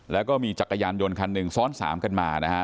แล้วก็มีจักรยานยนต์คันหนึ่งซ้อนสามกันมานะฮะ